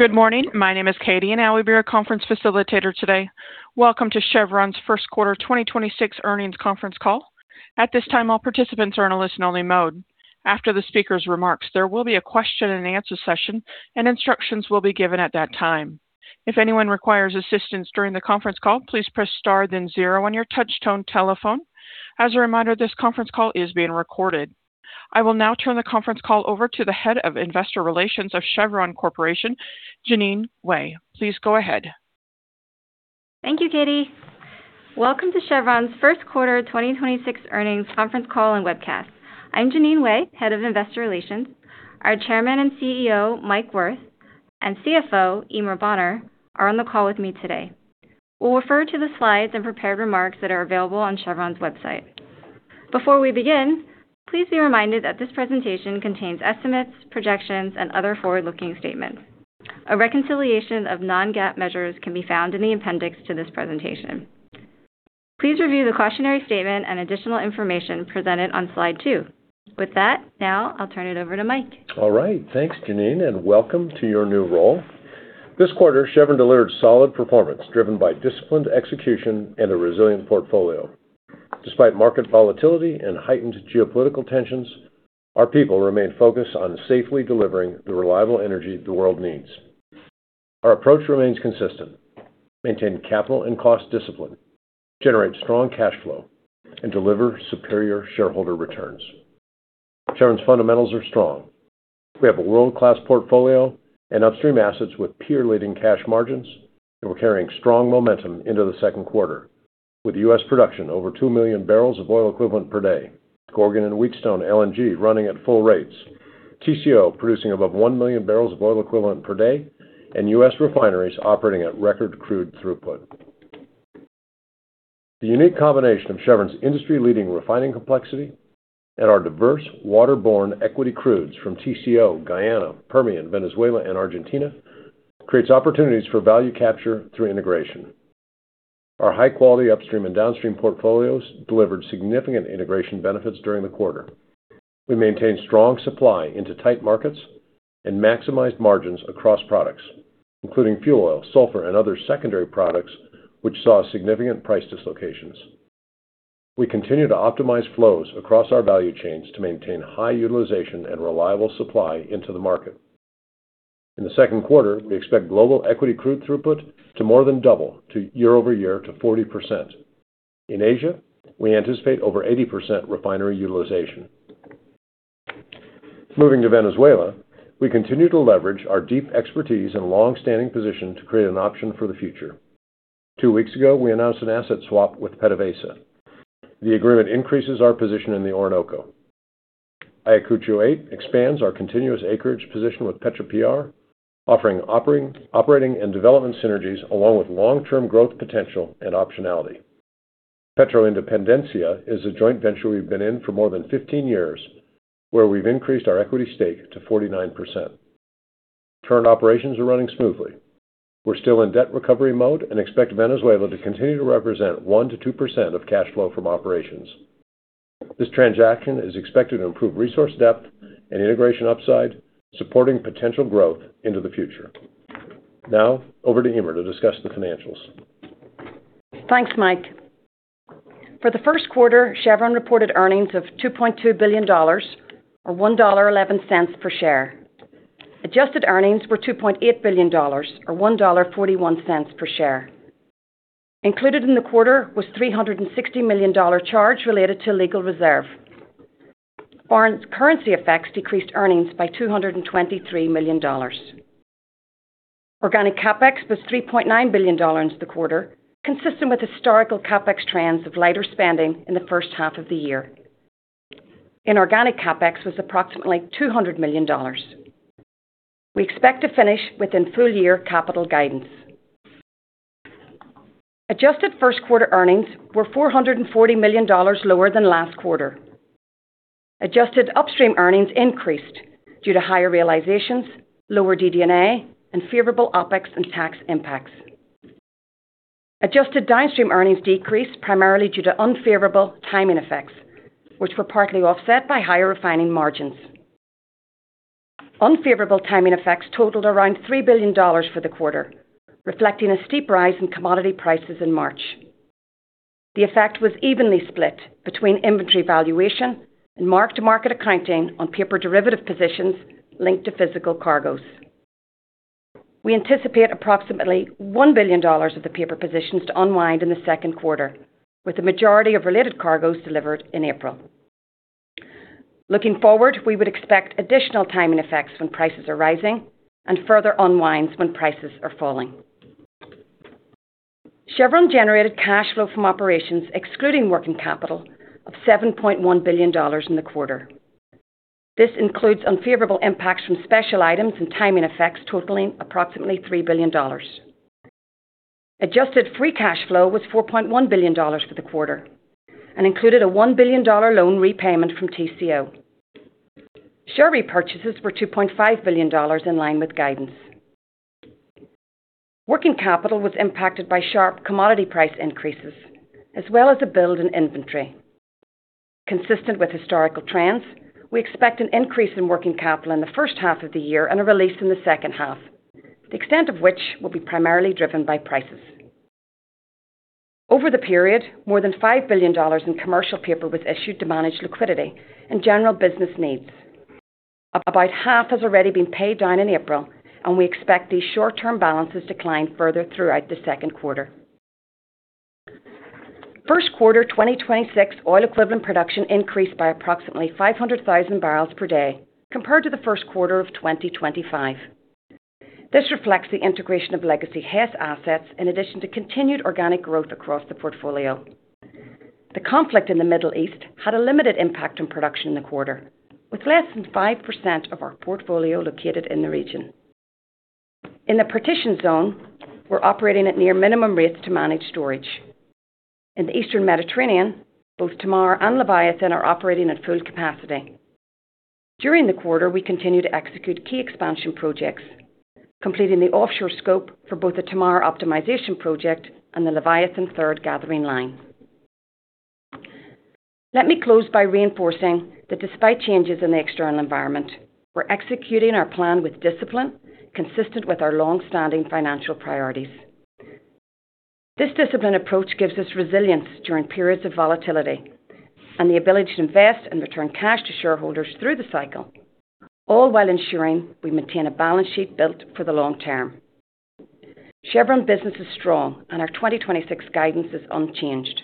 Good morning. My name is Katie, and I'll be your conference facilitator today. Welcome to Chevron's first quarter 2026 earnings conference call. At this time, all participants are in a listen-only mode. After the speaker's remarks, there will be a question-and-answer session, and instructions will be given at that time. If anyone requires assistance during the conference call, please press star zero on your touchtone telephone. As a reminder, this conference call is being recorded. I will now turn the conference call over to the head of investor relations of Chevron Corporation, Jeanine Wai. Please go ahead. Thank you, Katie. Welcome to Chevron's first quarter 2026 earnings conference call and webcast. I'm Jeanine Wai, Head of Investor Relations. Our Chairman and CEO, Mike Wirth, and CFO, Eimear Bonner, are on the call with me today. We'll refer to the slides and prepared remarks that are available on Chevron's website. Before we begin, please be reminded that this presentation contains estimates, projections, and other forward-looking statements. A reconciliation of non-GAAP measures can be found in the appendix to this presentation. Please review the cautionary statement and additional information presented on Slide 2. With that, now I'll turn it over to Mike. All right. Thanks, Jeanine, and welcome to your new role. This quarter, Chevron delivered solid performance driven by disciplined execution and a resilient portfolio. Despite market volatility and heightened geopolitical tensions, our people remain focused on safely delivering the reliable energy the world needs. Our approach remains consistent: maintain capital and cost discipline, generate strong cash flow, and deliver superior shareholder returns. Chevron's fundamentals are strong. We have a world-class portfolio and upstream assets with peer-leading cash margins, and we're carrying strong momentum into the second quarter with U.S. production over 2 million barrels of oil equivalent per day, Gorgon and Wheatstone LNG running at full rates, TCO producing above 1 million barrels of oil equivalent per day, and U.S. refineries operating at record crude throughput. The unique combination of Chevron's industry-leading refining complexity and our diverse waterborne equity crudes from TCO, Guyana, Permian, Venezuela, and Argentina creates opportunities for value capture through integration. Our high-quality upstream and downstream portfolios delivered significant integration benefits during the quarter. We maintained strong supply into tight markets and maximized margins across products, including fuel oil, sulfur, and other secondary products, which saw significant price dislocations. We continue to optimize flows across our value chains to maintain high utilization and reliable supply into the market. In the second quarter, we expect global equity crude throughput to more than double year-over-year to 40%. In Asia, we anticipate over 80% refinery utilization. Moving to Venezuela, we continue to leverage our deep expertise and long-standing position to create an option for the future. Two weeks ago, we announced an asset swap with PDVSA. The agreement increases our position in the Orinoco. Ayacucho 8 expands our continuous acreage position with Petropiar, offering operating and development synergies along with long-term growth potential and optionality. Petroindependencia is a joint venture we've been in for more than 15 years, where we've increased our equity stake to 49%. Current operations are running smoothly. We're still in debt recovery mode and expect Venezuela to continue to represent 1%-2% of cash flow from operations. This transaction is expected to improve resource depth and integration upside, supporting potential growth into the future. Now over to Eimear to discuss the financials. Thanks, Mike. For the first quarter, Chevron reported earnings of $2.2 billion or $1.11 per share. Adjusted earnings were $2.8 billion or $1.41 per share. Included in the quarter was $360 million charge related to legal reserve. Foreign currency effects decreased earnings by $223 million. Organic CapEx was $3.9 billion into the quarter, consistent with historical CapEx trends of lighter spending in the first half of the year. Inorganic CapEx was approximately $200 million. We expect to finish within full-year capital guidance. Adjusted first-quarter earnings were $440 million lower than last quarter. Adjusted upstream earnings increased due to higher realizations, lower DD&A, and favorable OpEx and tax impacts. Adjusted downstream earnings decreased primarily due to unfavorable timing effects, which were partly offset by higher refining margins. Unfavorable timing effects totaled around $3 billion for the quarter, reflecting a steep rise in commodity prices in March. The effect was evenly split between inventory valuation and mark-to-market accounting on paper derivative positions linked to physical cargoes. We anticipate approximately $1 billion of the paper positions to unwind in the second quarter, with the majority of related cargoes delivered in April. Looking forward, we would expect additional timing effects when prices are rising and further unwinds when prices are falling. Chevron generated cash flow from operations excluding working capital of $7.1 billion in the quarter. This includes unfavorable impacts from special items and timing effects totaling approximately $3 billion. Adjusted free cash flow was $4.1 billion for the quarter and included a $1 billion loan repayment from Tengizchevroil. Share repurchases were $2.5 billion in line with guidance. Working capital was impacted by sharp commodity price increases, as well as a build in inventory. Consistent with historical trends, we expect an increase in working capital in the first half of the year and a release in the second half, the extent of which will be primarily driven by prices. Over the period, more than $5 billion in commercial paper was issued to manage liquidity and general business needs. About half has already been paid down in April, and we expect these short-term balances to climb further throughout the second quarter. First quarter 2026 oil equivalent production increased by approximately 500,000 barrels per day compared to the first quarter of 2025. This reflects the integration of legacy Hess assets in addition to continued organic growth across the portfolio. The conflict in the Middle East had a limited impact on production in the quarter, with less than 5% of our portfolio located in the region. In the Partition Zone, we're operating at near minimum rates to manage storage. In the Eastern Mediterranean, both Tamar and Leviathan are operating at full capacity. During the quarter, we continued to execute key expansion projects, completing the offshore scope for both the Tamar optimization project and the Leviathan third gathering line. Let me close by reinforcing that despite changes in the external environment, we're executing our plan with discipline consistent with our longstanding financial priorities. This disciplined approach gives us resilience during periods of volatility and the ability to invest and return cash to shareholders through the cycle, all while ensuring we maintain a balance sheet built for the long term. Chevron business is strong, and our 2026 guidance is unchanged.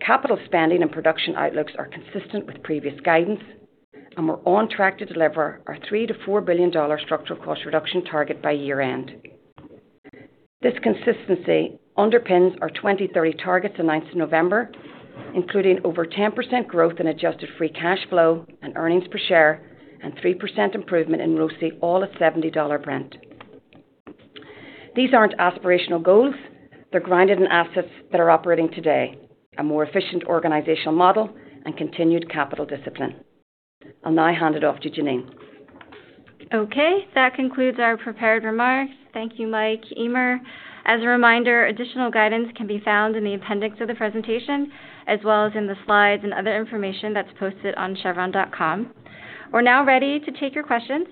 Capital spending and production outlooks are consistent with previous guidance, and we're on track to deliver our $3 billion-$4 billion structural cost reduction target by year-end. This consistency underpins our 2030 targets announced in November, including over 10% growth in adjusted free cash flow and earnings per share and 3% improvement in ROACE, all at $70 Brent. These aren't aspirational goals. They're grounded in assets that are operating today, a more efficient organizational model and continued capital discipline. I'll now hand it off to Jeanine. Okay. That concludes our prepared remarks. Thank you, Mike, Eimear. As a reminder, additional guidance can be found in the appendix of the presentation as well as in the slides and other information that's posted on chevron.com. We're now ready to take your questions.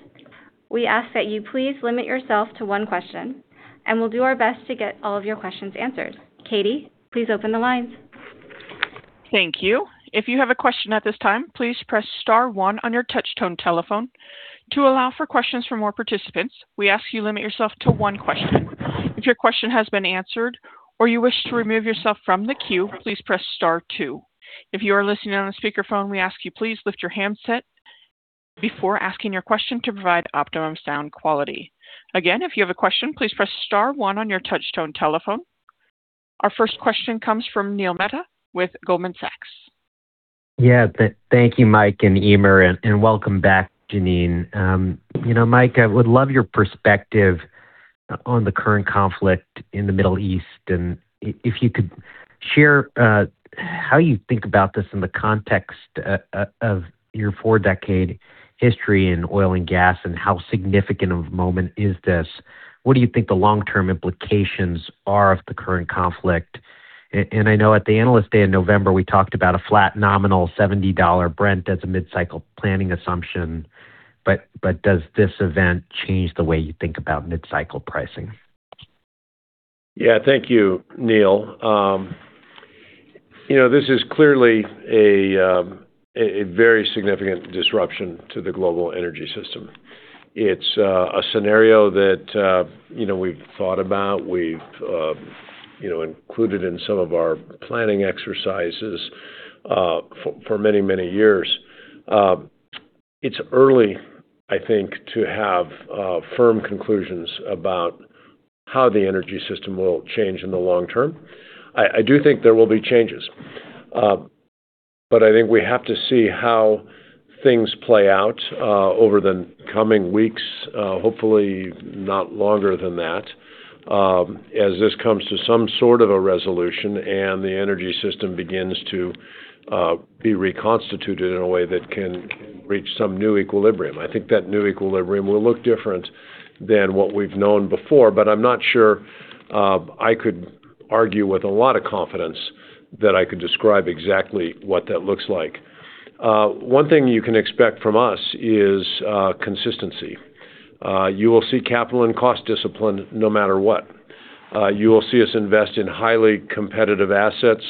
We ask that you please limit yourself to one question, and we'll do our best to get all of your questions answered. Katie, please open the lines. Thank you. If you have a question at this time, please press star one on your touchtone telephone. To allow for questions from more participants, we ask you limit yourself to one question. If your question has been answered or you wish to remove yourself from the queue, please press star two. If you are listening on a speakerphone, we ask you please lift your handset before asking your question to provide optimum sound quality. Again, if you have a question, please press star one on your touchtone telephone. Our first question comes from Neil Mehta with Goldman Sachs. Yeah. Thank you, Mike and Eimear, and welcome back, Jeanine. You know, Mike, I would love your perspective on the current conflict in the Middle East, and if you could share how you think about this in the context of your four-decade history in oil and gas, and how significant of a moment is this? What do you think the long-term implications are of the current conflict? I know at the Analyst Day in November, we talked about a flat nominal $70 Brent as a mid-cycle planning assumption, but does this event change the way you think about mid-cycle pricing? Yeah. Thank you, Neil. You know, this is clearly a very significant disruption to the global energy system. It's a scenario that, you know, we've thought about, we've, you know, included in some of our planning exercises for many, many years. It's early, I think, to have firm conclusions about how the energy system will change in the long term. I do think there will be changes. I think we have to see how things play out over the coming weeks, hopefully not longer than that, as this comes to some sort of a resolution and the energy system begins to be reconstituted in a way that can reach some new equilibrium. I think that new equilibrium will look different than what we've known before, but I'm not sure I could argue with a lot of confidence that I could describe exactly what that looks like. One thing you can expect from us is consistency. You will see capital and cost discipline no matter what. You will see us invest in highly competitive assets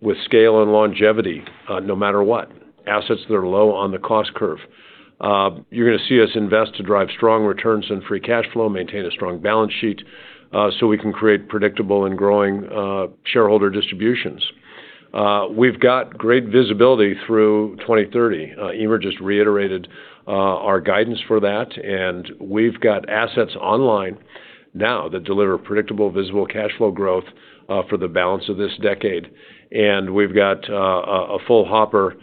with scale and longevity, no matter what, assets that are low on the cost curve. You're gonna see us invest to drive strong returns and free cash flow, maintain a strong balance sheet, so we can create predictable and growing shareholder distributions. We've got great visibility through 2030. Eimear just reiterated our guidance for that, and we've got assets online now that deliver predictable, visible cash flow growth for the balance of this decade. We've got a full hopper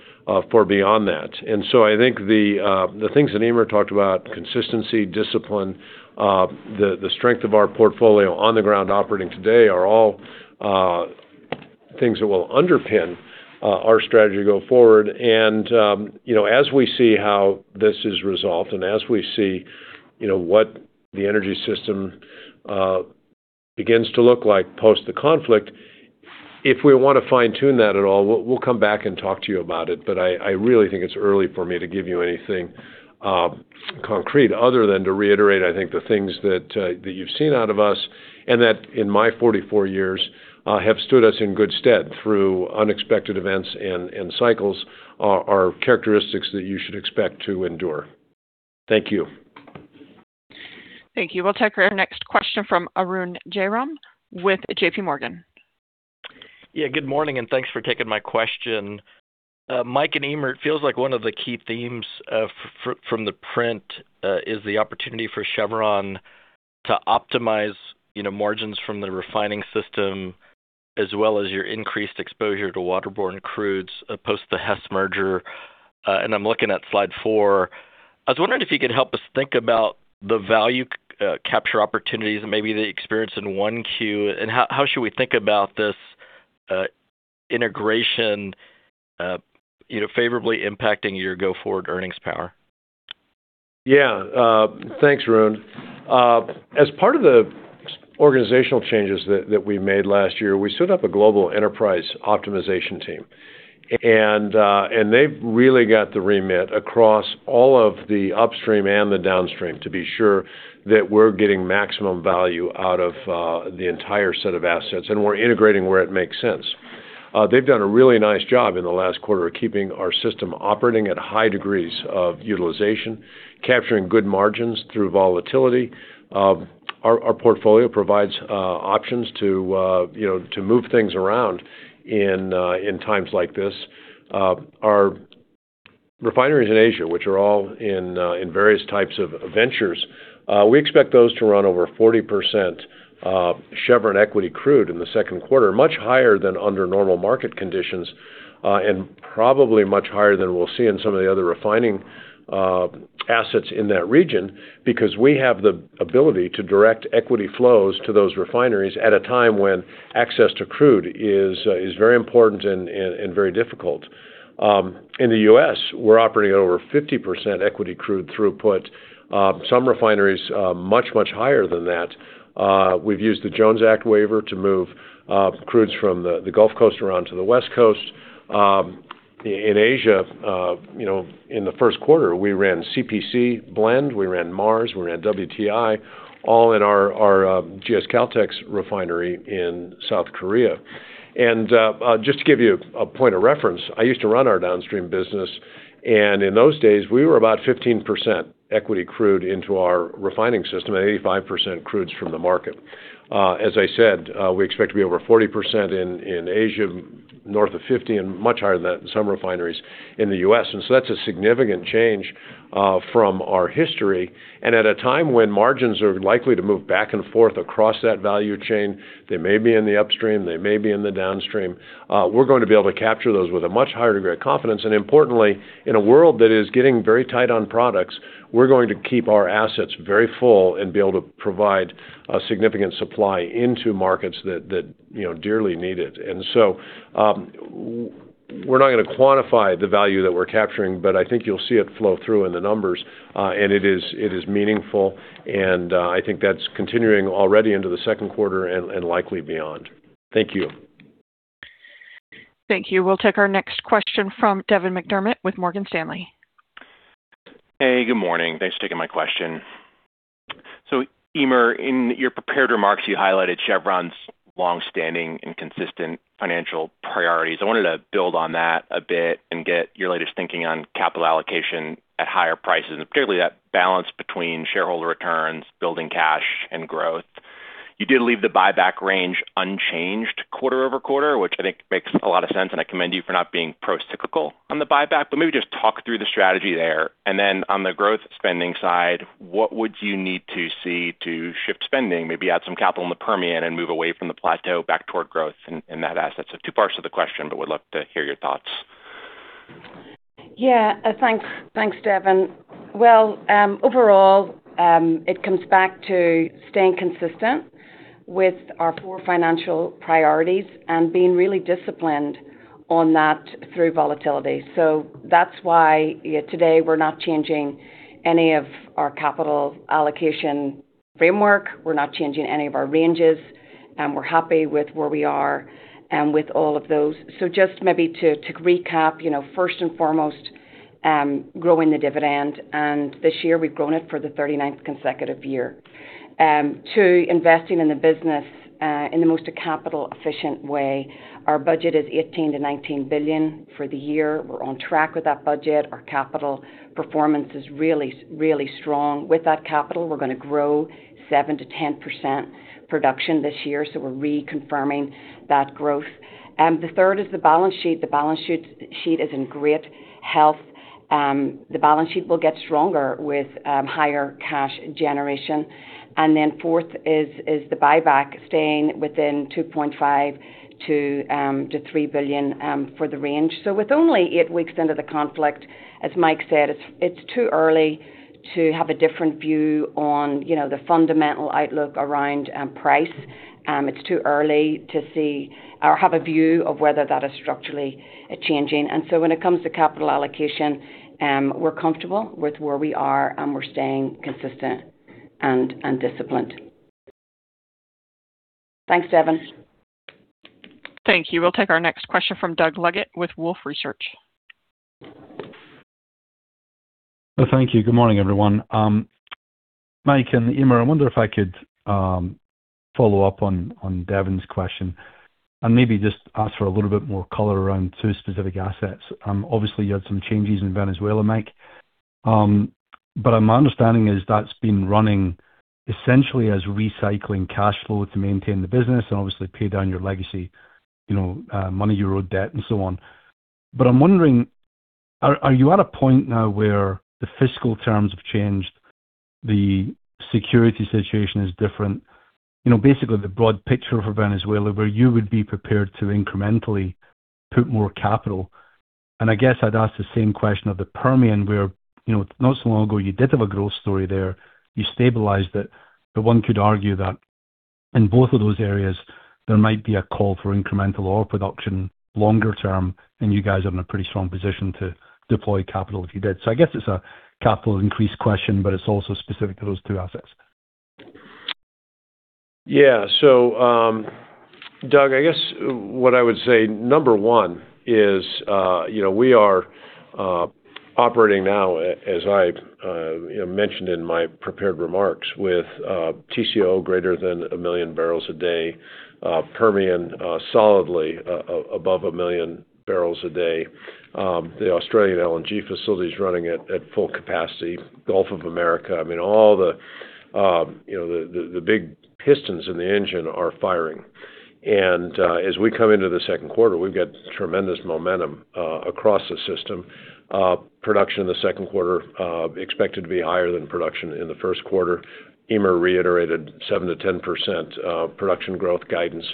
for beyond that. I think the things that Eimear talked about, consistency, discipline, the strength of our portfolio on the ground operating today. things that will underpin our strategy go forward. You know, as we see how this is resolved and as we see, you know, what the energy system begins to look like post the conflict, if we wanna fine-tune that at all, we'll come back and talk to you about it. I really think it's early for me to give you anything concrete other than to reiterate, I think the things that you've seen out of us and that in my 44 years have stood us in good stead through unexpected events and cycles are characteristics that you should expect to endure. Thank you. Thank you. We'll take our next question from Arun Jayaram with J.P. Morgan. Good morning, and thanks for taking my question. Mike and Eimear, it feels like one of the key themes from the print is the opportunity for Chevron to optimize, you know, margins from the refining system as well as your increased exposure to waterborne crudes post the Hess merger. I'm looking at Slide 4. I was wondering if you could help us think about the value capture opportunities and maybe the experience in 1Q, and how should we think about this integration, you know, favorably impacting your go-forward earnings power? Thanks, Arun. As part of the organizational changes that we made last year, we stood up a global enterprise optimization team. They've really got the remit across all of the upstream and the downstream to be sure that we're getting maximum value out of the entire set of assets, and we're integrating where it makes sense. They've done a really nice job in the last quarter of keeping our system operating at high degrees of utilization, capturing good margins through volatility. Our portfolio provides options to, you know, to move things around in times like this. Our refineries in Asia, which are all in various types of ventures, we expect those to run over 40% Chevron equity crude in the second quarter, much higher than under normal market conditions, and probably much higher than we'll see in some of the other refining assets in that region because we have the ability to direct equity flows to those refineries at a time when access to crude is very important and very difficult. In the U.S., we're operating at over 50% equity crude throughput. Some refineries, much higher than that. We've used the Jones Act waiver to move crudes from the Gulf Coast around to the West Coast. In Asia, in the first quarter, we ran CPC Blend, we ran Mars, we ran WTI, all in our GS Caltex refinery in South Korea. Just to give you a point of reference, I used to run our downstream business, and in those days, we were about 15% equity crude into our refining system, and 85% crudes from the market. As I said, we expect to be over 40% in Asia, north of 50, and much higher than that in some refineries in the U.S. That's a significant change from our history. At a time when margins are likely to move back and forth across that value chain, they may be in the upstream, they may be in the downstream, we're going to be able to capture those with a much higher degree of confidence. Importantly, in a world that is getting very tight on products, we're going to keep our assets very full and be able to provide a significant supply into markets that, you know, dearly need it. So, we're not gonna quantify the value that we're capturing, but I think you'll see it flow through in the numbers. It is meaningful, and I think that's continuing already into the second quarter and likely beyond. Thank you. Thank you. We'll take our next question from Devin McDermott with Morgan Stanley. Hey, good morning. Thanks for taking my question. Eimear, in your prepared remarks, you highlighted Chevron's long-standing and consistent financial priorities. I wanted to build on that a bit and get your latest thinking on capital allocation at higher prices, and particularly that balance between shareholder returns, building cash, and growth. You did leave the buyback range unchanged quarter-over-quarter, which I think makes a lot of sense, and I commend you for not being procyclical on the buyback. Maybe just talk through the strategy there. On the growth spending side, what would you need to see to shift spending, maybe add some capital in the Permian and move away from the plateau back toward growth in that asset? Two parts to the question but would love to hear your thoughts. Yeah. Thanks. Thanks, Devin. Well, overall, it comes back to staying consistent with our poor financial priorities and being really disciplined on that through volatility. That's why today we're not changing any of our capital allocation framework. We're not changing any of our ranges, and we're happy with where we are and with all of those. Just maybe to recap, you know, first and foremost, growing the dividend, and this year we've grown it for the 39th consecutive year. 2, investing in the business, in the most capital efficient way. Our budget is $18 billion-$19 billion for the year. We're on track with that budget. Our capital performance is really strong. With that capital, we're gonna grow 7%-10% production this year, so we're reconfirming that growth. The third is the balance sheet. The balance sheet is in great health. The balance sheet will get stronger with higher cash generation. Fourth is the buyback staying within $2.5 billion-$3 billion for the range. With only eight weeks into the conflict, as Mike said, it's too early. To have a different view on, you know, the fundamental outlook around price, it's too early to see or have a view of whether that is structurally changing. When it comes to capital allocation, we're comfortable with where we are, and we're staying consistent and disciplined. Thanks, Devin. Thank you. We'll take our next question from Doug Leggate with Wolfe Research. Thank you. Good morning, everyone. Mike and Eimear, I wonder if I could follow up on Devin's question and maybe just ask for a little bit more color around two specific assets. Obviously, you had some changes in Venezuela, Mike. My understanding is that's been running essentially as recycling cash flow to maintain the business and obviously pay down your legacy, you know, money you owed debt, and so on. I'm wondering, are you at a point now where the fiscal terms have changed, the security situation is different? You know, basically the broad picture for Venezuela, where you would be prepared to incrementally put more capital. I guess I'd ask the same question of the Permian, where, you know, not so long ago, you did have a growth story there. You stabilized it, but one could argue that in both of those areas, there might be a call for incremental oil production longer term, and you guys are in a pretty strong position to deploy capital if you did. I guess it's a capital increase question, but it's also specific to those two assets. Yeah. Doug, I guess what I would say, number one is, you know, we are operating now, as I, you know, mentioned in my prepared remarks, with Tengizchevroil greater than 1 million barrels a day, Permian solidly above 1 million barrels a day. The Australian LNG facility is running at full capacity. Gulf of America. I mean, all the, you know, big pistons in the engine are firing. As we come into the second quarter, we've got tremendous momentum across the system. Production in the second quarter expected to be higher than production in the first quarter. Eimear Bonner reiterated 7%-10% production growth guidance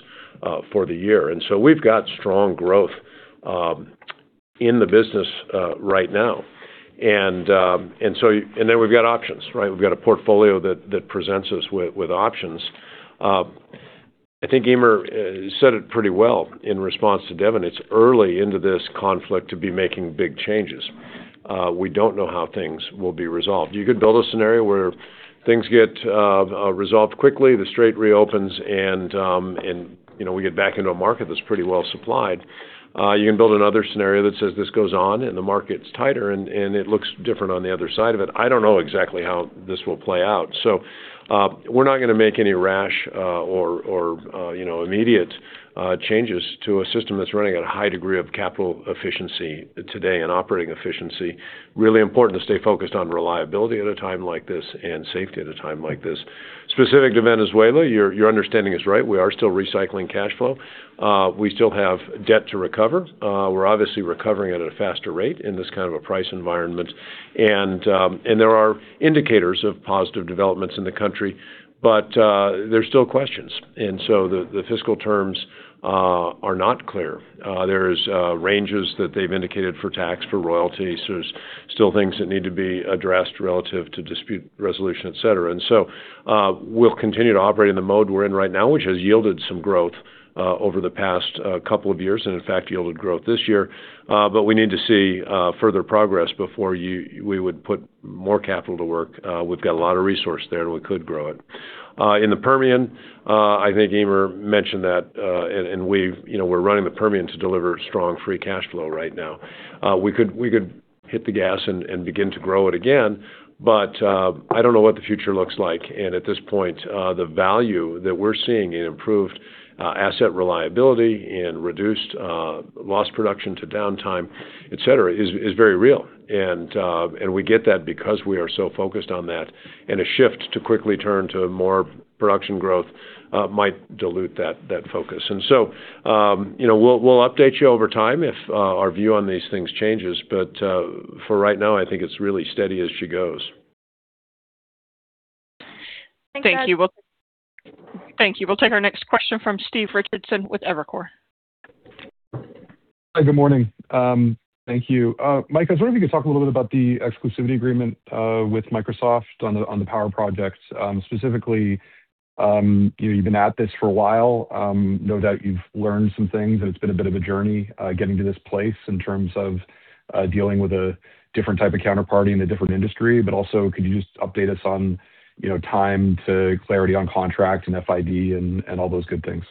for the year. We've got strong growth in the business right now. Then we've got options, right? We've got a portfolio that presents us with options. I think Eimear said it pretty well in response to Devin. It's early into this conflict to be making big changes. We don't know how things will be resolved. You could build a scenario where things get resolved quickly, the Strait reopens, and, you know, we get back into a market that's pretty well supplied. You can build another scenario that says this goes on and the market's tighter and it looks different on the other side of it. I don't know exactly how this will play out. We're not gonna make any rash, or, you know, immediate, changes to a system that's running at a high degree of capital efficiency today and operating efficiency. Really important to stay focused on reliability at a time like this and safety at a time like this. Specific to Venezuela, your understanding is right. We are still recycling cash flow. We still have debt to recover. We're obviously recovering at a faster rate in this kind of a price environment. There are indicators of positive developments in the country, but there's still questions. The fiscal terms are not clear. There's ranges that they've indicated for tax, for royalties. There's still things that need to be addressed relative to dispute resolution, et cetera. We'll continue to operate in the mode we're in right now, which has yielded some growth over the past couple of years, and in fact, yielded growth this year. We need to see further progress before we would put more capital to work. We've got a lot of resource there, and we could grow it. In the Permian, I think Eimear mentioned that, and you know, we're running the Permian to deliver strong free cash flow right now. We could hit the gas and begin to grow it again, but I don't know what the future looks like. At this point, the value that we're seeing in improved asset reliability and reduced lost production to downtime, et cetera, is very real. We get that because we are so focused on that, and a shift to quickly turn to more production growth might dilute that focus. You know, we'll update you over time if our view on these things changes. For right now, I think it's really steady as she goes. Thank you. Thank you. We'll take our next question from Stephen Richardson with Evercore. Hi, good morning. Thank you. Mike, I was wondering if you could talk a little bit about the exclusivity agreement with Microsoft on the, on the power projects, specifically, you know, you've been at this for a while, no doubt you've learned some things, and it's been a bit of a journey, getting to this place in terms of, dealing with a different type of counterparty in a different industry. Also, could you just update us on, you know, time to clarity on contract and FID and all those good things?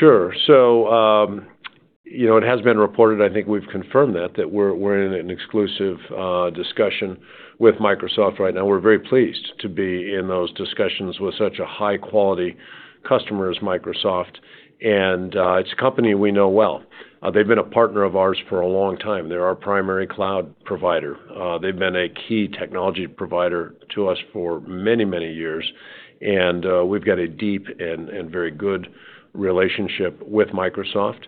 Sure. You know, it has been reported, I think we've confirmed that we're in an exclusive discussion with Microsoft right now. We're very pleased to be in those discussions with such a high-quality customer as Microsoft. It's a company we know well. They've been a partner of ours for a long time. They're our primary cloud provider. They've been a key technology provider to us for many years. We've got a deep and very good relationship with Microsoft.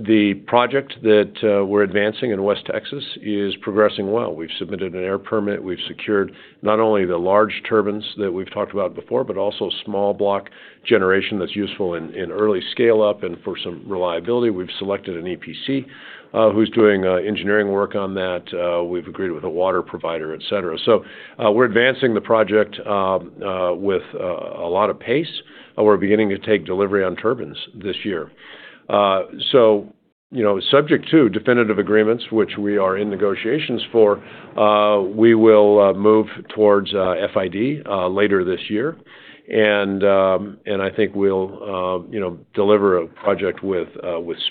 The project that we're advancing in West Texas is progressing well. We've submitted an air permit. We've secured not only the large turbines that we've talked about before, but also small block generation that's useful in early scale-up and for some reliability. We've selected an EPC who's doing engineering work on that. We've agreed with a water provider, et cetera. We're advancing the project with a lot of pace. We're beginning to take delivery on turbines this year. You know, subject to definitive agreements, which we are in negotiations for, we will move towards FID later this year. I think we'll, you know, deliver a project with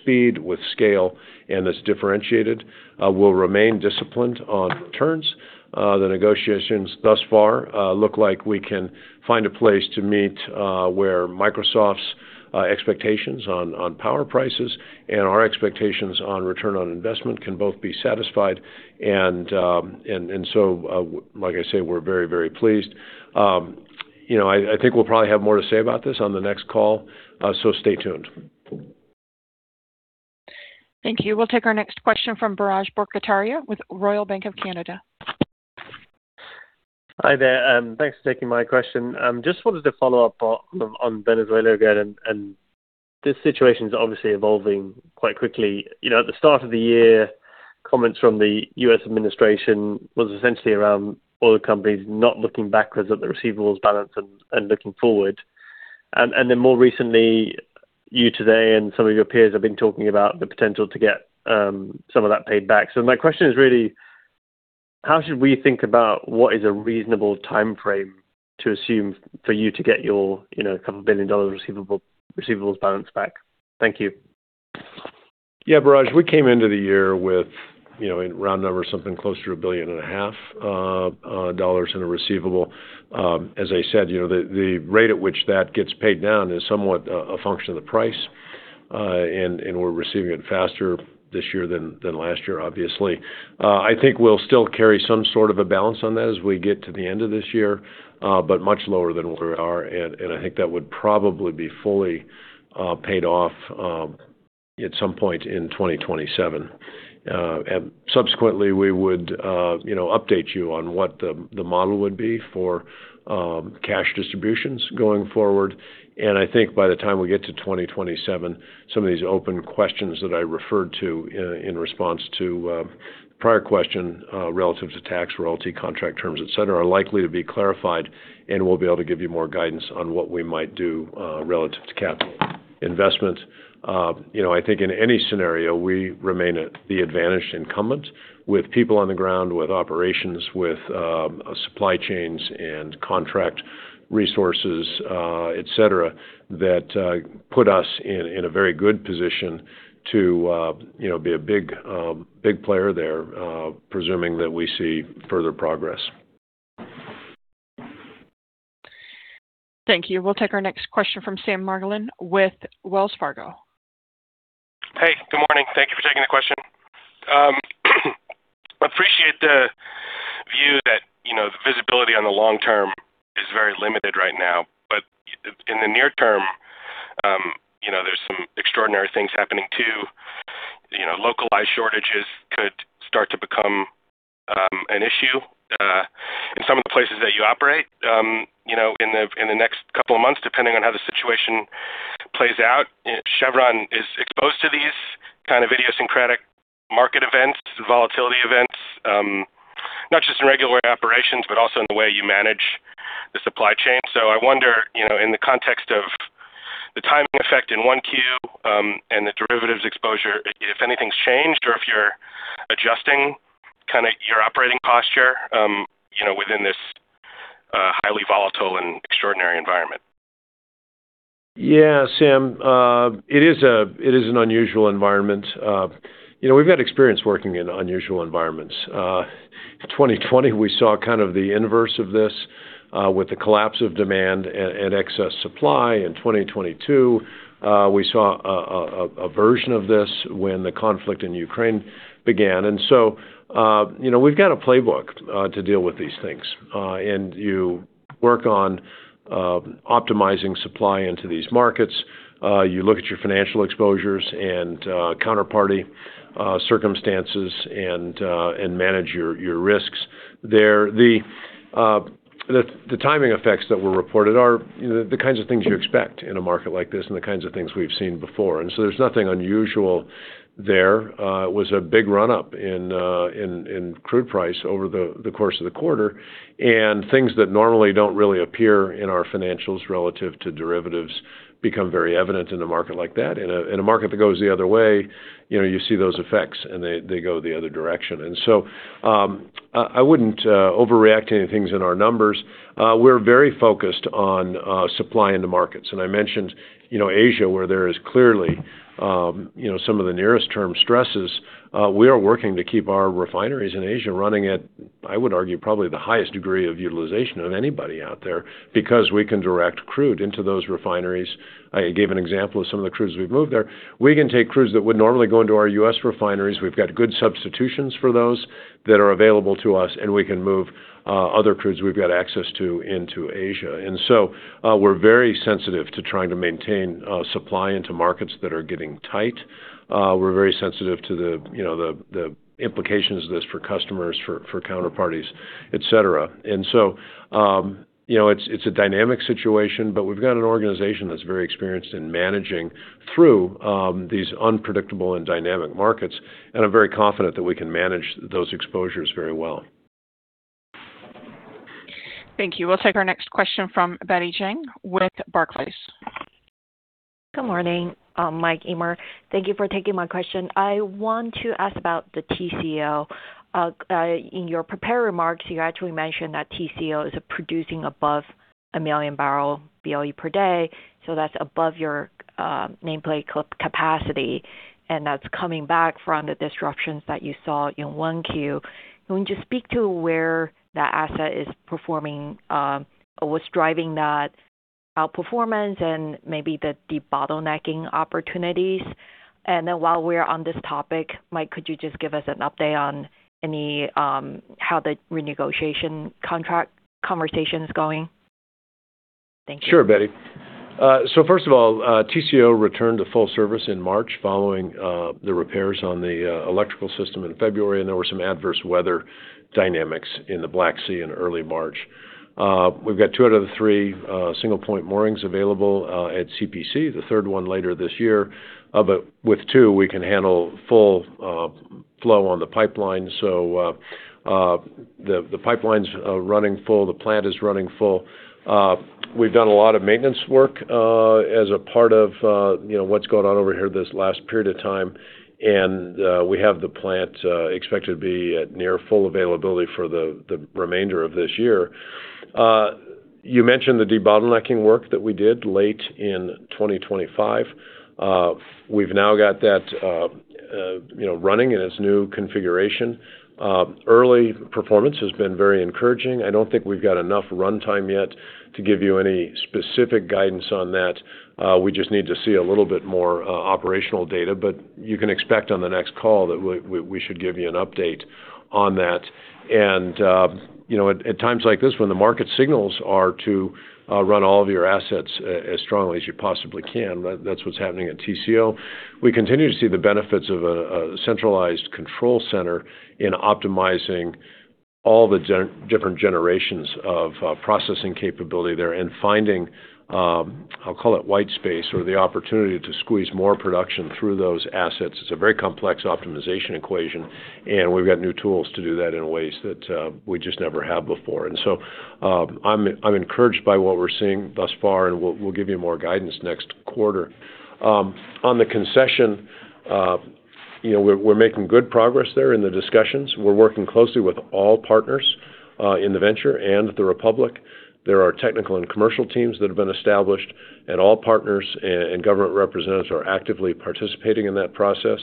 speed, with scale, and that's differentiated. We'll remain disciplined on returns. The negotiations thus far look like we can find a place to meet where Microsoft's expectations on power prices and our expectations on return on investment can both be satisfied. Like I say, we're very, very pleased. You know, I think we'll probably have more to say about this on the next call, so stay tuned. Thank you. We'll take our next question from Biraj Borkhataria with Royal Bank of Canada. Hi there. Thanks for taking my question. Just wanted to follow up on Venezuela again, and this situation is obviously evolving quite quickly. You know, at the start of the year, comments from the U.S. administration was essentially around oil companies not looking backwards at the receivables balance and looking forward. Then more recently, you today and some of your peers have been talking about the potential to get some of that paid back. My question is really, how should we think about what is a reasonable timeframe to assume for you to get your, you know, $2 billion receivables balance back? Thank you. Yeah, Biraj, we came into the year with, you know, in round numbers, something closer to $1.5 billion in a receivable. As I said, you know, the rate at which that gets paid down is somewhat a function of the price. We're receiving it faster this year than last year, obviously. I think we'll still carry some sort of a balance on that as we get to the end of this year, but much lower than where we are. I think that would probably be fully paid off at some point in 2027. Subsequently, we would, you know, update you on what the model would be for cash distributions going forward. I think by the time we get to 2027, some of these open questions that I referred to in response to prior question, relative to tax, royalty, contract terms, et cetera, are likely to be clarified, and we'll be able to give you more guidance on what we might do, relative to capital investment. You know, I think in any scenario, we remain at the advantaged incumbent with people on the ground, with operations, with supply chains and contract resources, et cetera, that put us in a very good position to, you know, be a big player there, presuming that we see further progress. Thank you. We'll take our next question from Sam Margolin with Wells Fargo. Hey, good morning. Thank you for taking the question. Appreciate the view that, you know, the visibility on the long term is very limited right now. In the near term, you know, there's some extraordinary things happening too. You know, localized shortages could start to become an issue in some of the places that you operate, you know, in the next couple of months, depending on how the situation plays out. Chevron is exposed to these kind of idiosyncratic market events, volatility events, not just in regular operations, but also in the way you manage the supply chain. I wonder, you know, in the context of the timing effect in 1Q, and the derivatives exposure, if anything's changed or if you're adjusting kinda your operating posture, you know, within this highly volatile and extraordinary environment. Yeah, Sam, it is an unusual environment. You know, we've had experience working in unusual environments. 2020, we saw kind of the inverse of this, with the collapse of demand and excess supply. In 2022, we saw a version of this when the conflict in Ukraine began. You know, we've got a playbook to deal with these things. You work on optimizing supply into these markets. You look at your financial exposures and counterparty circumstances and manage your risks. The timing effects that were reported are, you know, the kinds of things you expect in a market like this and the kinds of things we've seen before. There's nothing unusual there. It was a big run-up in crude price over the course of the quarter. Things that normally don't really appear in our financials relative to derivatives become very evident in a market like that. In a market that goes the other way, you know, you see those effects, and they go the other direction. I wouldn't overreact to any things in our numbers. We're very focused on supply in the markets. I mentioned, you know, Asia, where there is clearly, you know, some of the nearest term stresses. We are working to keep our refineries in Asia running at, I would argue, probably the highest degree of utilization of anybody out there because we can direct crude into those refineries. I gave an example of some of the crudes we've moved there. We can take crudes that would normally go into our U.S. refineries. We've got good substitutions for those that are available to us, and we can move other crudes we've got access to into Asia. We're very sensitive to trying to maintain supply into markets that are getting tight. We're very sensitive to the, you know, the implications of this for customers, for counterparties, et cetera. You know, it's a dynamic situation, but we've got an organization that's very experienced in managing through these unpredictable and dynamic markets. I'm very confident that we can manage those exposures very well. Thank you. We'll take our next question from Betty Jiang with Barclays. Good morning, Mike Eimear. Thank you for taking my question. I want to ask about the Tengizchevroil. in your prepared remarks, you actually mentioned that Tengizchevroil is producing above 1-million-barrel BOE per day, so that's above your nameplate capacity, and that's coming back from the disruptions that you saw in 1Q. Can you just speak to where that asset is performing, what's driving that outperformance and maybe the debottlenecking opportunities? While we're on this topic, Mike, could you just give us an update on any, how the renegotiation contract conversation is going? Thank you. Sure, Betty. First of all, TCO returned to full service in March following the repairs on the electrical system in February, and there were some adverse weather dynamics in the Black Sea in early March. We've got two out of the three single-point moorings available at CPC, the third one later this year. With two, we can handle full flow on the pipeline. The pipeline's running full. The plant is running full. We've done a lot of maintenance work, you know, as a part of what's gone on over here this last period of time, and we have the plant expected to be at near full availability for the remainder of this year. You mentioned the de-bottlenecking work that we did late in 2025. We've now got that, you know, running in its new configuration. Early performance has been very encouraging. I don't think we've got enough runtime yet to give you any specific guidance on that. We just need to see a little bit more operational data. You can expect on the next call that we should give you an update on that. You know, at times like this when the market signals are to run all of your assets as strongly as you possibly can, that's what's happening at TCO. We continue to see the benefits of a centralized control center in optimizing all the different generations of processing capability there and finding, I'll call it white space or the opportunity to squeeze more production through those assets. It's a very complex optimization equation, and we've got new tools to do that in ways that we just never have before. I'm encouraged by what we're seeing thus far, and we'll give you more guidance next quarter. On the concession, you know, we're making good progress there in the discussions. We're working closely with all partners in the venture and the Republic. There are technical and commercial teams that have been established, and all partners and government representatives are actively participating in that process.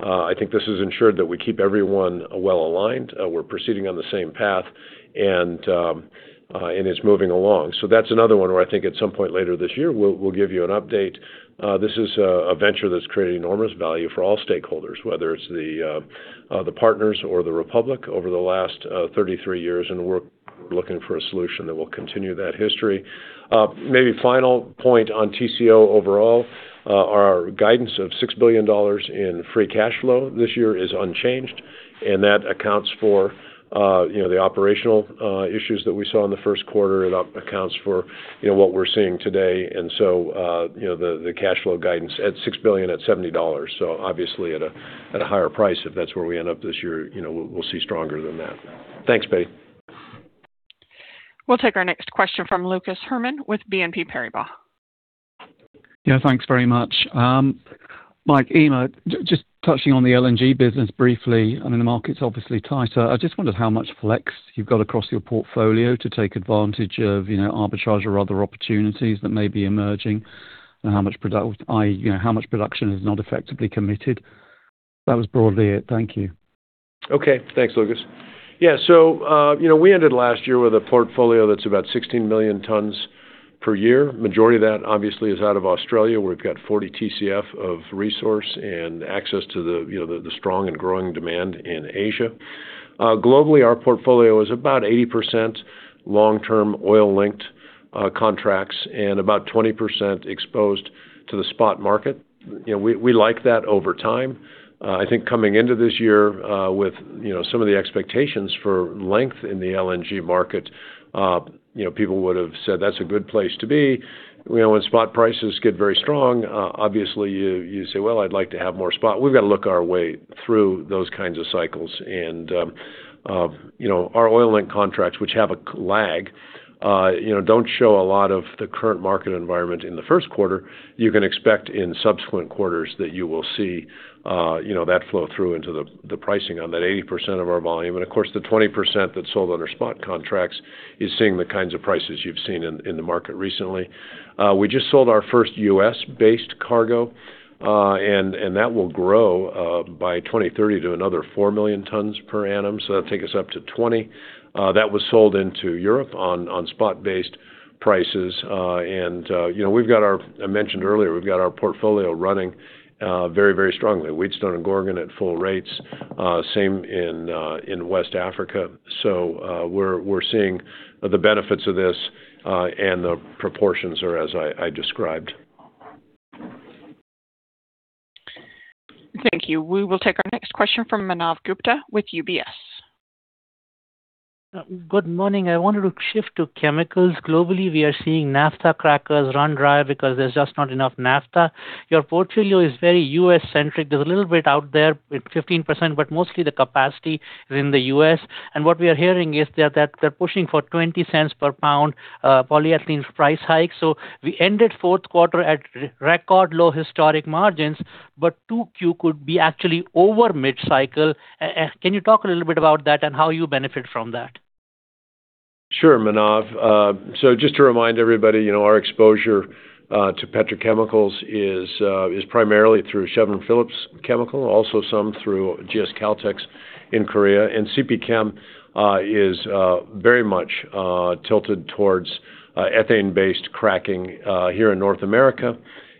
I think this has ensured that we keep everyone well-aligned. We're proceeding on the same path, and it's moving along. That's another one where I think at some point later this year we'll give you an update. This is a venture that's created enormous value for all stakeholders, whether it's the partners or the Republic over the last 33 years, and we're looking for a solution that will continue that history. Maybe final point on TCO overall, our guidance of $6 billion in free cash flow this year is unchanged, and that accounts for, you know, the operational issues that we saw in the first quarter. It accounts for, you know, what we're seeing today. You know, the cash flow guidance at $6 billion at $70. Obviously at a higher price, if that's where we end up this year, you know, we'll see stronger than that. Thanks, Betty. We'll take our next question from Lucas Herrmann with BNP Paribas. Yeah, thanks very much. Mike, Eimear, just touching on the LNG business briefly, I mean, the markets obviously tighter. I just wondered how much flex you've got across your portfolio to take advantage of, you know, arbitrage or other opportunities that may be emerging and how much i.e., you know, how much production is not effectively committed. That was broadly it. Thank you. Okay. Thanks, Lucas. Yeah. You know, we ended last year with a portfolio that's about 16 million tons per year. Majority of that obviously is out of Australia, where we've got 40 TCF of resource and access to the, you know, the strong and growing demand in Asia. Globally, our portfolio is about 80% long-term oil-linked contracts and about 20% exposed to the spot market. You know, we like that over time. I think coming into this year, with, you know, some of the expectations for length in the LNG market, you know, people would've said that's a good place to be. You know, when spot prices get very strong, obviously you say, "Well, I'd like to have more spot." We've got to look our way through those kinds of cycles and, you know, our oil link contracts, which have a lag, you know, don't show a lot of the current market environment in the first quarter. You can expect in subsequent quarters that you will see, you know, that flow through into the pricing on that 80% of our volume. Of course, the 20% that's sold under spot contracts is seeing the kinds of prices you've seen in the market recently. We just sold our first U.S.-based cargo, and that will grow by 2030 to another 4 million tons per annum, so that'll take us up to 20. That was sold into Europe on spot-based prices. You know, I mentioned earlier, we've got our portfolio running very strongly. Wheatstone and Gorgon at full rates. Same in West Africa. We're seeing the benefits of this, and the proportions are as I described. Thank you. We will take our next question from Manav Gupta with UBS. Good morning. I wanted to shift to chemicals. Globally, we are seeing naphtha crackers run dry because there's just not enough naphtha. Your portfolio is very U.S.-centric. There's a little bit out there with 15%, but mostly the capacity is in the U.S. What we are hearing is that they're pushing for $0.20 per pound, polyethylene price hike. We ended fourth quarter at re-record low historic margins, but 2Q could be actually over mid-cycle. Can you talk a little bit about that and how you benefit from that? Sure, Manav. Just to remind everybody, you know, our exposure to petrochemicals is primarily through Chevron Phillips Chemical, also some through GS Caltex in Korea. CP Chem is very much tilted towards ethane-based cracking here in North America,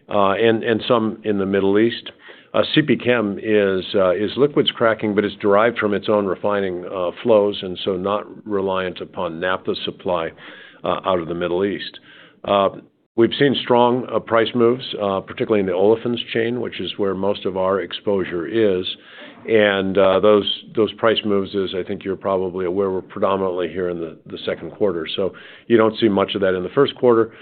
and some in the Middle East. CP Chem is liquids cracking, but it's derived from its own refining flows, and so not reliant upon naphtha supply out of the Middle East. We've seen strong price moves, particularly in the olefins chain, which is where most of our exposure is. Those price moves is I think you're probably aware were predominantly here in the second quarter. You don't see much of that in the first quarter.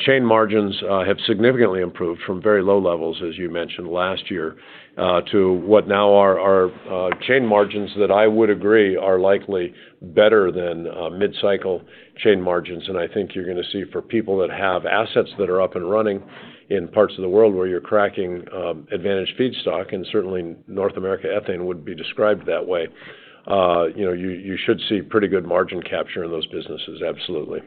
Chain margins have significantly improved from very low levels, as you mentioned, last year, to what now are chain margins that I would agree are likely better than mid-cycle chain margins. I think you're gonna see for people that have assets that are up and running in parts of the world where you're cracking advantage feedstock, and certainly North America ethane would be described that way, you know, you should see pretty good margin capture in those businesses. Absolutely.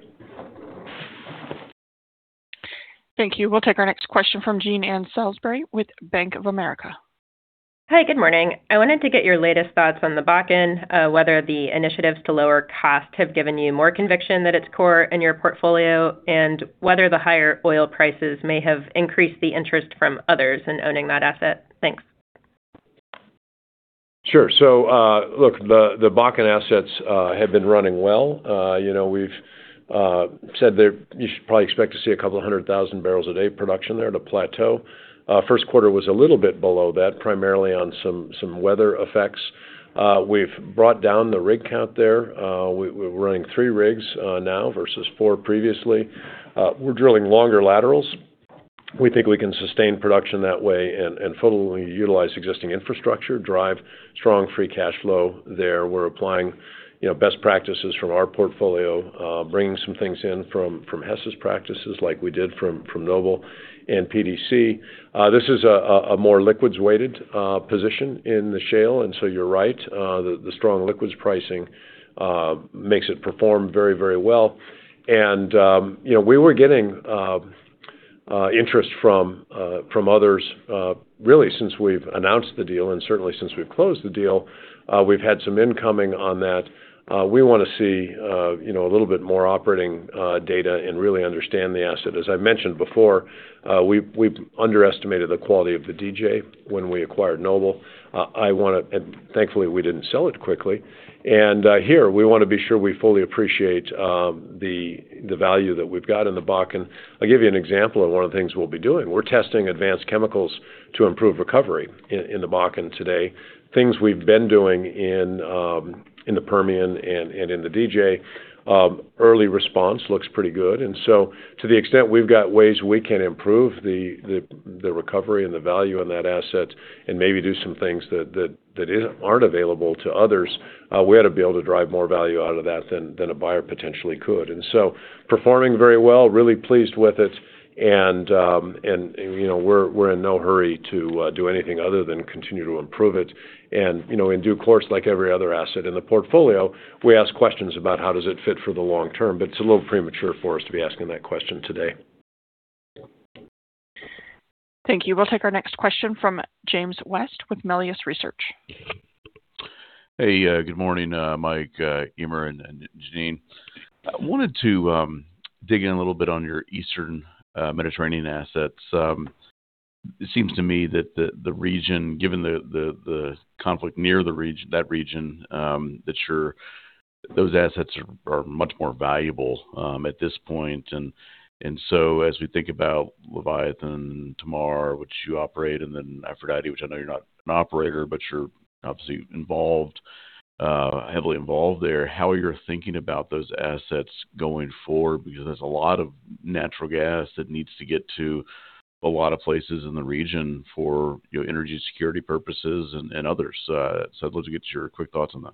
Thank you. We'll take our next question from Jean Ann Salisbury with Bank of America. Hi, good morning. I wanted to get your latest thoughts on the Bakken, whether the initiatives to lower costs have given you more conviction that its core in your portfolio, and whether the higher oil prices may have increased the interest from others in owning that asset? Thanks. Sure. Look, the Bakken assets have been running well. You know, we've said that you should probably expect to see a couple hundred thousand barrels a day production there at a plateau. First quarter was a little bit below that, primarily on some weather effects. We've brought down the rig count there. We're running three rigs now versus four previously. We're drilling longer laterals. We think we can sustain production that way and fully utilize existing infrastructure, drive strong free cash flow there. We're applying, you know, best practices from our portfolio, bringing some things in from Hess's practices like we did from Noble and PDC. This is a more liquids-weighted position in the shale. You're right. The, the strong liquids pricing makes it perform very, very well. You know, we were getting interest from from others really since we've announced the deal and certainly since we've closed the deal. We've had some incoming on that. We wanna see, you know, a little bit more operating data and really understand the asset. As I mentioned before, we've underestimated the quality of the DJ when we acquired Noble. Thankfully, we didn't sell it quickly. Here we wanna be sure we fully appreciate the value that we've got in the Bakken. I'll give you an example of one of the things we'll be doing. We're testing advanced chemicals to improve recovery in the Bakken today, things we've been doing in the Permian and in the DJ. Early response looks pretty good. To the extent we've got ways we can improve the recovery and the value on that asset and maybe do some things that aren't available to others, we ought to be able to drive more value out of that than a buyer potentially could. Performing very well, really pleased with it. You know, we're in no hurry to do anything other than continue to improve it. You know, in due course, like every other asset in the portfolio, we ask questions about how does it fit for the long term, but it's a little premature for us to be asking that question today. Thank you. We'll take our next question from James West with Melius Research. Hey, good morning, Mike, Eimear and Jeanine. I wanted to dig in a little bit on your Eastern Mediterranean assets. It seems to me that the region, given the conflict near that region, those assets are much more valuable at this point. As we think about Leviathan, Tamar, which you operate, and then Aphrodite, which I know you're not an operator, but you're obviously involved, heavily involved there, how you're thinking about those assets going forward? Because there's a lot of natural gas that needs to get to a lot of places in the region for, you know, energy security purposes and others. I'd love to get your quick thoughts on that.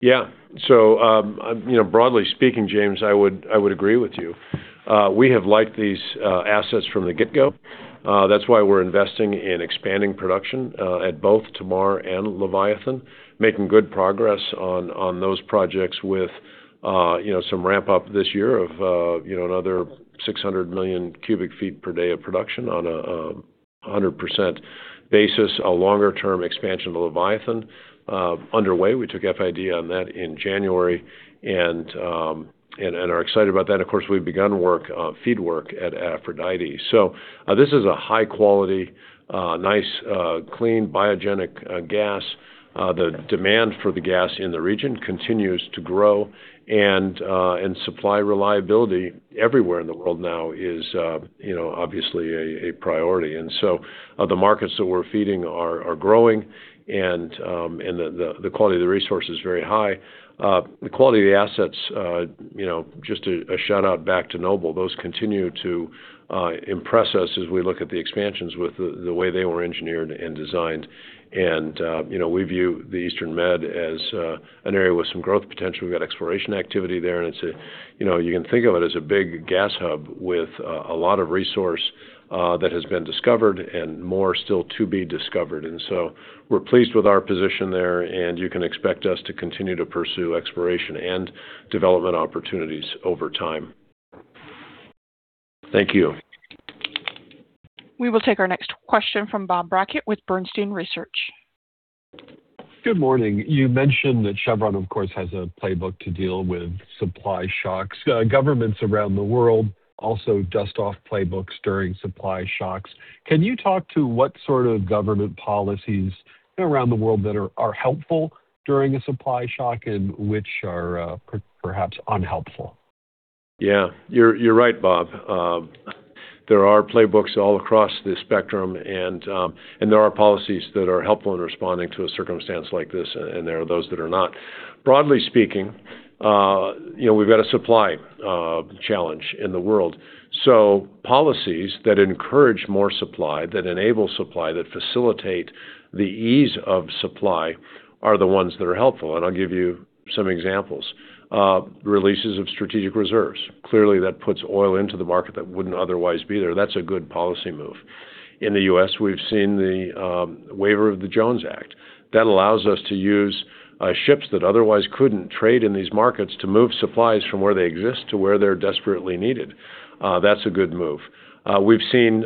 You know, broadly speaking, James, I would agree with you. We have liked these assets from the get-go. That's why we're investing in expanding production at both Tamar and Leviathan, making good progress on those projects with, you know, some ramp-up this year of, you know, another 600 million cubic feet per day of production on a 100% basis. A longer-term expansion of Leviathan underway. We took FID on that in January and are excited about that. Of course, we've begun work, feed work at Aphrodite. This is a high quality, nice, clean biogenic gas. The demand for the gas in the region continues to grow. And supply reliability everywhere in the world now is, you know, obviously a priority. The markets that we're feeding are growing and the quality of the resource is very high. The quality of the assets, you know, just a shout-out back to Noble, those continue to impress us as we look at the expansions with the way they were engineered and designed. You know, we view the Eastern Med as an area with some growth potential. We got exploration activity there. You know, you can think of it as a big gas hub with a lot of resource that has been discovered and more still to be discovered. We're pleased with our position there, and you can expect us to continue to pursue exploration and development opportunities over time. Thank you. We will take our next question from Bob Brackett with Bernstein Research. Good morning. You mentioned that Chevron, of course, has a playbook to deal with supply shocks. Governments around the world also dust off playbooks during supply shocks. Can you talk to what sort of government policies around the world that are helpful during a supply shock and which are perhaps unhelpful? Yeah. You're right, Bob. There are playbooks all across the spectrum, and there are policies that are helpful in responding to a circumstance like this, and there are those that are not. Broadly speaking, you know, we've got a supply challenge in the world. Policies that encourage more supply, that enable supply, that facilitate the ease of supply are the ones that are helpful, and I'll give you some examples. Releases of strategic reserves. Clearly, that puts oil into the market that wouldn't otherwise be there. That's a good policy move. In the U.S., we've seen the Waiver of the Jones Act. That allows us to use ships that otherwise couldn't trade in these markets to move supplies from where they exist to where they're desperately needed. That's a good move. We've seen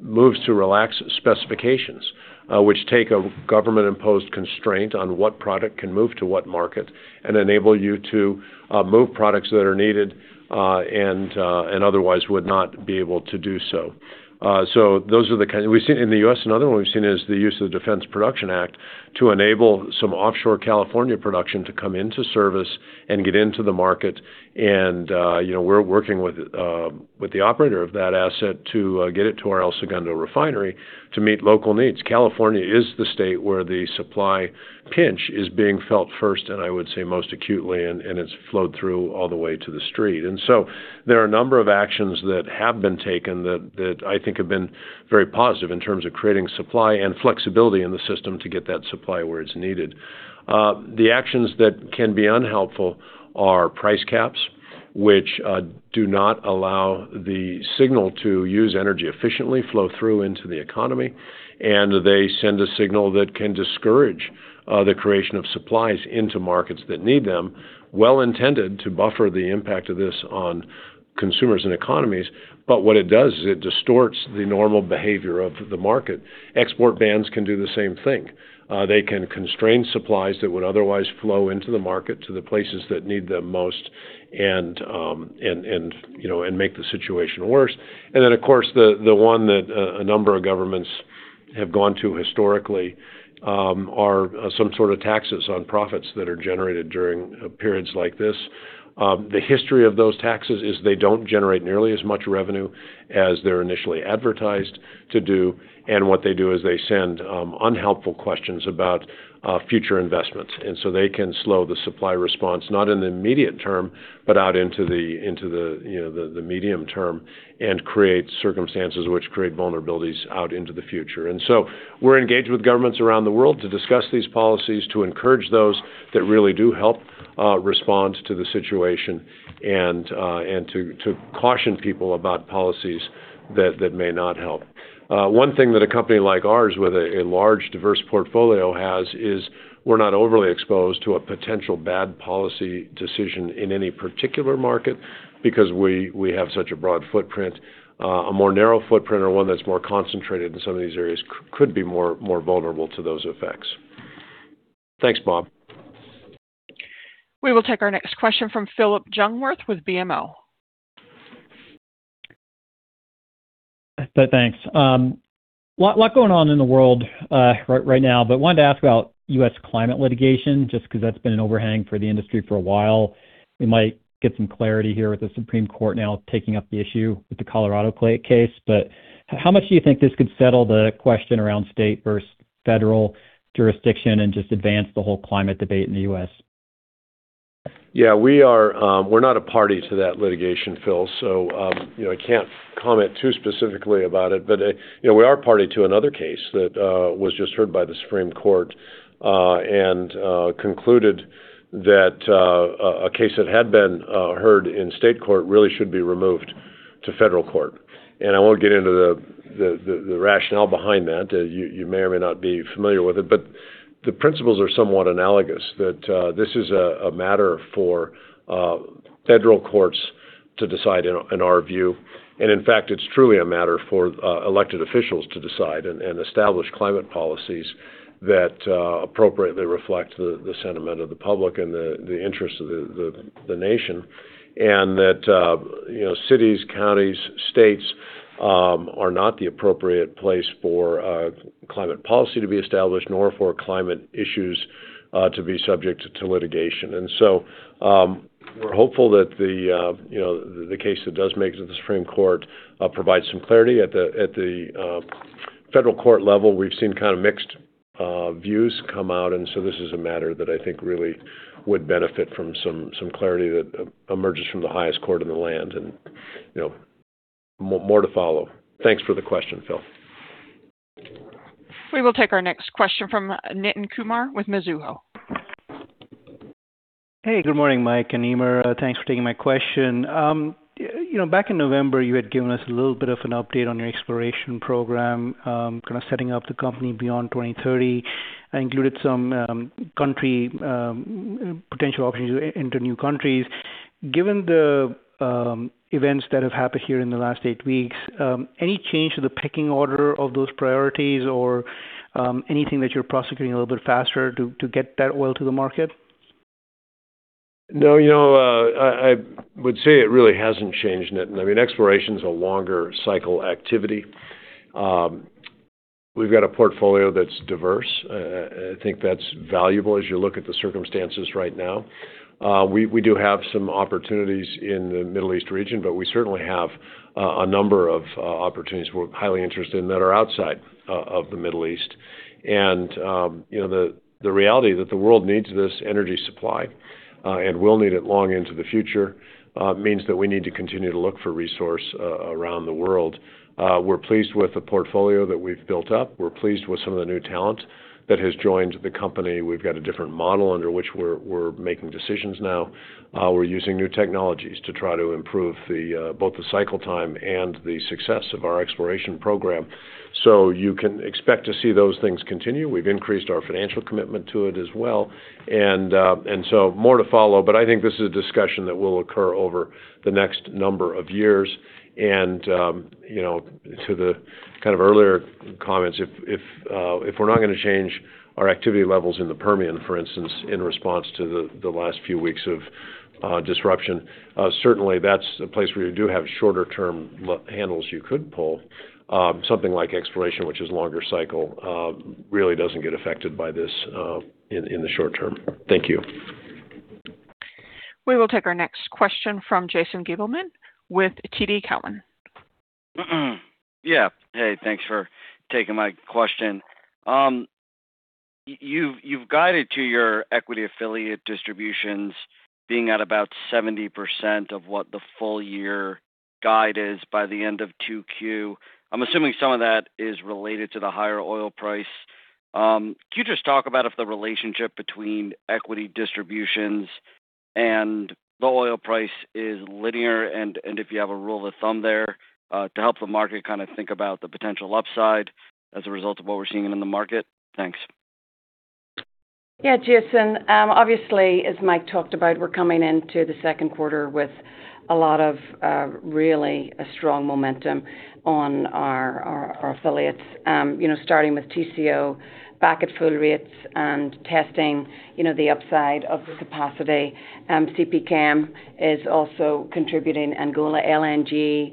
moves to relax specifications, which take a government-imposed constraint on what product can move to what market and enable you to move products that are needed and otherwise would not be able to do so. We've seen in the U.S., another one we've seen is the use of the Defense Production Act to enable some offshore California production to come into service and get into the market. You know, we're working with the operator of that asset to get it to our El Segundo refinery to meet local needs. California is the state where the supply pinch is being felt first, and I would say most acutely, and it's flowed through all the way to the street. There are a number of actions that have been taken that I think have been very positive in terms of creating supply and flexibility in the system to get that supply where it's needed. The actions that can be unhelpful are price caps, which do not allow the signal to use energy efficiently flow through into the economy, and they send a signal that can discourage the creation of supplies into markets that need them, well intended to buffer the impact of this on consumers and economies. What it does is it distorts the normal behavior of the market. Export bans can do the same thing. They can constrain supplies that would otherwise flow into the market to the places that need them most and, you know, make the situation worse. Of course, the one that a number of governments have gone to historically are some sort of taxes on profits that are generated during periods like this. The history of those taxes is they don't generate nearly as much revenue as they're initially advertised to do, and what they do is they send unhelpful questions about future investments. They can slow the supply response, not in the immediate term, but out into the medium term and create circumstances which create vulnerabilities out into the future. We're engaged with governments around the world to discuss these policies, to encourage those that really do help respond to the situation and to caution people about policies that may not help. One thing that a company like ours with a large diverse portfolio has is we're not overly exposed to a potential bad policy decision in any particular market because we have such a broad footprint. A more narrow footprint or one that's more concentrated in some of these areas could be more, more vulnerable to those effects. Thanks, Bob. We will take our next question from Phillip Jungwirth with BMO. Thanks. Lot going on in the world right now. Wanted to ask about U.S. climate litigation, just 'cause that's been an overhang for the industry for a while. We might get some clarity here with the Supreme Court now taking up the issue with the Colorado case. How much do you think this could settle the question around state versus federal jurisdiction and just advance the whole climate debate in the U.S.? Yeah. We are, we're not a party to that litigation, Phil, so, you know, I can't comment too specifically about it. You know, we are party to another case that was just heard by the Supreme Court and concluded that a case that had been heard in state court really should be removed to federal court. I won't get into the rationale behind that. You may or may not be familiar with it, but the principles are somewhat analogous that this is a matter for federal courts to decide, in our view. In fact, it's truly a matter for elected officials to decide and establish climate policies that appropriately reflect the sentiment of the public and the interest of the nation. That, you know, cities, counties, states are not the appropriate place for climate policy to be established, nor for climate issues to be subject to litigation. We're hopeful that the, you know, the case that does make it to the Supreme Court provides some clarity. At the, at the federal court level, we've seen kinda mixed views come out, and so this is a matter that I think really would benefit from some clarity that emerges from the highest court in the land and, you know, more to follow. Thanks for the question, Phil. We will take our next question from Nitin Kumar with Mizuho. Hey, good morning, Mike and Eimear. Thanks for taking my question. You know, back in November, you had given us a little bit of an update on your exploration program, kinda setting up the company beyond 2030, and included some country potential options into new countries. Given the events that have happened here in the last eight weeks, any change to the pecking order of those priorities or anything that you're prosecuting a little bit faster to get that oil to the market? No, you know, I would say it really hasn't changed, Nitin. I mean, exploration's a longer cycle activity. We've got a portfolio that's diverse. I think that's valuable as you look at the circumstances right now. We do have some opportunities in the Middle East region, but we certainly have a number of opportunities we're highly interested in that are outside of the Middle East. You know, the reality that the world needs this energy supply and will need it long into the future means that we need to continue to look for resource around the world. We're pleased with the portfolio that we've built up. We're pleased with some of the new talent that has joined the company. We've got a different model under which we're making decisions now. We're using new technologies to try to improve the both the cycle time and the success of our exploration program. You can expect to see those things continue. We've increased our financial commitment to it as well. More to follow, but I think this is a discussion that will occur over the next number of years. You know, to the kind of earlier comments, if we're not gonna change our activity levels in the Permian, for instance, in response to the last few weeks of disruption, certainly that's a place where you do have shorter-term handles you could pull. Something like exploration, which is longer cycle, really doesn't get affected by this in the short term. Thank you. We will take our next question from Jason Gabelman with TD Cowen. Yeah. Hey, thanks for taking my question. You've guided to your equity affiliate distributions being at about 70% of what the full year guide is by the end of 2Q. I'm assuming some of that is related to the higher oil price. Could you just talk about if the relationship between equity distributions and the oil price is linear, and if you have a rule of thumb there, to help the market kinda think about the potential upside as a result of what we're seeing in the market? Thanks. Jason, obviously, as Mike talked about, we're coming into the second quarter with a lot of really strong momentum on our affiliates, starting with Tengizchevroil back at full rates and testing the upside of the capacity. CPChem is also contributing Angola LNG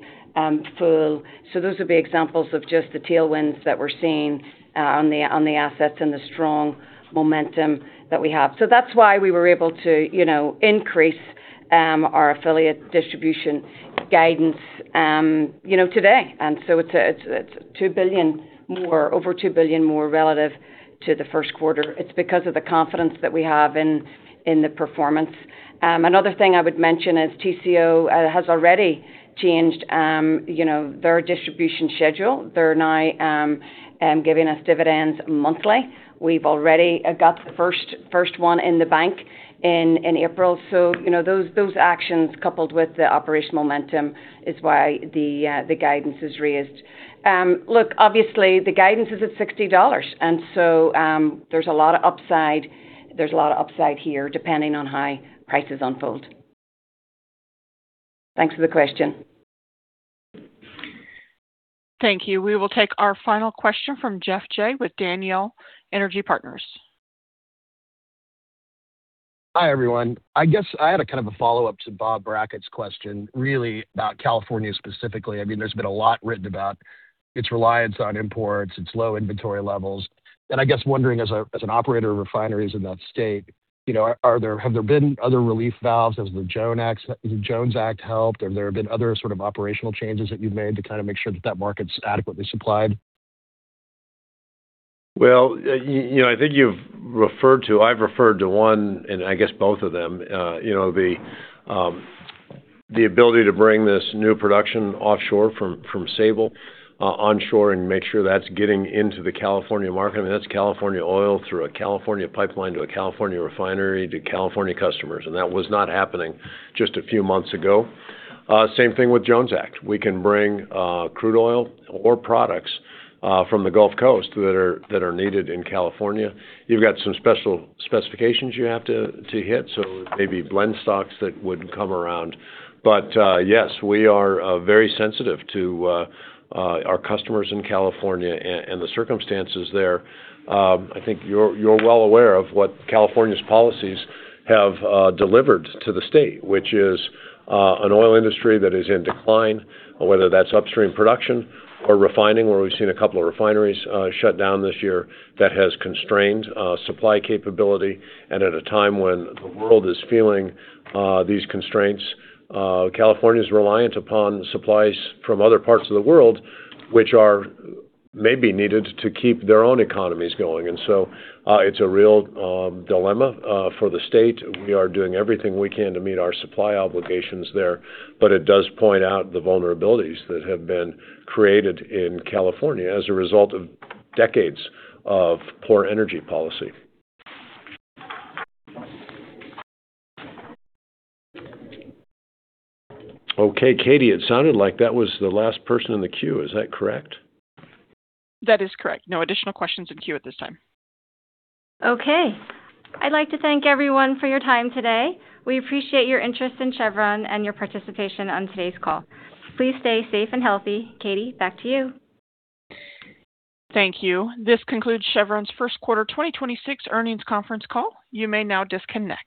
full. Those are the examples of just the tailwinds that we're seeing on the assets and the strong momentum that we have. That's why we were able to, you know, increase our affiliate distribution guidance, you know, today. It's $2 billion more, over $2 billion more relative to the first quarter. It's because of the confidence that we have in the performance. Another thing I would mention is Tengizchevroil has already changed, you know, their distribution schedule. They're now giving us dividends monthly. We've already got the first one in the bank in April. You know, those actions coupled with the operational momentum is why the guidance is raised. Look, obviously the guidance is at $60, and so, there's a lot of upsides. There's a lot of upsides here, depending on how prices unfold. Thanks for the question. Thank you. We will take our final question from Geoff Jay with Daniel Energy Partners. Hi, everyone. I guess I had a kind of a follow-up to Bob Brackett's question, really about California specifically. I mean, there's been a lot written about its reliance on imports, its low inventory levels, and I guess wondering as an operator of refineries in that state, you know, have there been other relief valves? Has the Jones Act helped? Have there been other sort of operational changes that you've made to kind of make sure that markets adequately supplied? You know, I think you've referred to, I've referred to one, and I guess both of them, the ability to bring this new production offshore from Sable onshore and make sure that's getting into the California market. That's California oil through a California pipeline to a California refinery to California customers, and that was not happening just a few months ago. Same thing with Jones Act. We can bring crude oil or products from the Gulf Coast that are needed in California. You've got some special specifications you have to hit, so maybe blend stocks that wouldn't come around. Yes, we are very sensitive to our customers in California and the circumstances there. I think you're well aware of what California's policies have delivered to the state, which is an oil industry that is in decline, whether that's upstream production or refining, where we've seen two refineries shut down this year that has constrained supply capability. At a time when the world is feeling these constraints, California's reliant upon supplies from other parts of the world, which are maybe needed to keep their own economies going. It's a real dilemma for the state. We are doing everything we can to meet our supply obligations there, but it does point out the vulnerabilities that have been created in California as a result of decades of poor energy policy. Okay, Katie, it sounded like that was the last person in the queue. Is that correct? That is correct. No additional questions in queue at this time. Okay. I'd like to thank everyone for your time today. We appreciate your interest in Chevron and your participation on today's call. Please stay safe and healthy. Katie, back to you. Thank you. This concludes Chevron's first quarter 2026 earnings conference call. You may now disconnect.